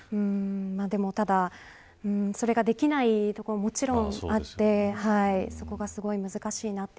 ただ、それができないところももちろんあってそこが難しいなと。